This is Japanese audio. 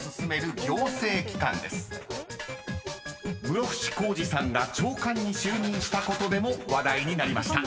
［室伏広治さんが長官に就任したことでも話題になりました］